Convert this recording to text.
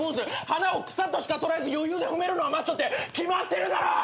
花を草としか捉えず余裕で踏めるのはマッチョって決まってるだろう！